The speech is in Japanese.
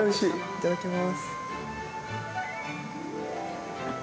いただきます。